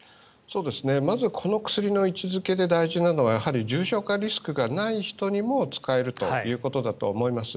まずこの薬の位置付けで大事なのはやはり重症化リスクがない人にも使えるということだと思います。